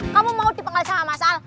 kamu mau dipenggal sama mas al